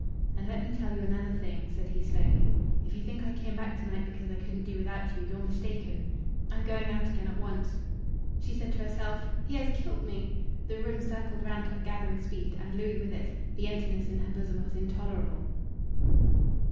"And let me tell you another thing," said he slowly. "If you think I came back to night because I couldn't do without you, you're mistaken. I'm going out again at once." She said to herself, "He has killed me!" The room circled round her, gathering speed, and Louis with it. The emptiness in her bosom was intolerable.